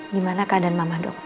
gimana keadaan mama dok